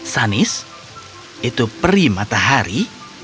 sunnys itu perih matahari